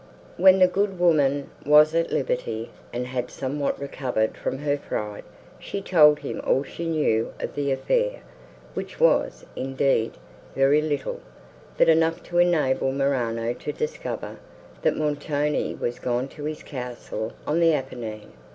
When the good woman was at liberty, and had somewhat recovered from her fright, she told him all she knew of the affair, which was, indeed, very little, but enough to enable Morano to discover, that Montoni was gone to his castle on the Apennine.